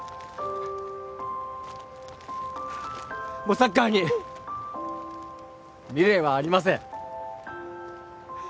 もうサッカーに未練はありません